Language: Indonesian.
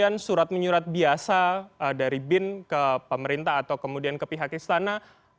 kemudian surat menyurat biasa dari bin ke pemerintah atau kemudian ke pihak istana